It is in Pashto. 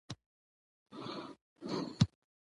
ډيپلوماسي د ملتونو ترمنځ د سولي بنسټ ایښی دی.